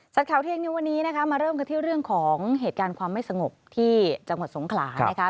ข่าวเที่ยงในวันนี้นะคะมาเริ่มกันที่เรื่องของเหตุการณ์ความไม่สงบที่จังหวัดสงขลานะคะ